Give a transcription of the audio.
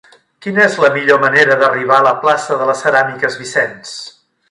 Quina és la millor manera d'arribar a la plaça de les Ceràmiques Vicens?